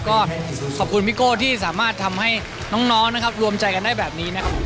ก็ขอบคุณพี่โก้ที่สามารถทำให้น้องนะครับรวมใจกันได้แบบนี้นะครับ